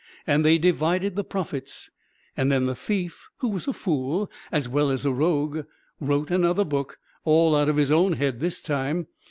And they divided the profits. And then the thief, who was a fool as well as a rogue, wrote another book all out of his own head this time.